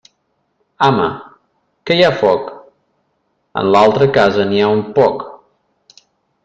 Ama, que hi ha foc? En l'altra casa n'hi ha un poc.